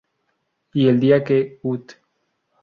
Y el día que ud.